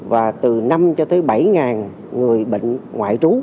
và từ năm cho tới bảy người bệnh ngoại trú